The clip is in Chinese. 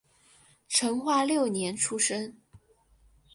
成化六年出生。